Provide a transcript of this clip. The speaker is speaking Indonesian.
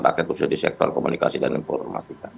rakyat khususnya di sektor komunikasi dan informatika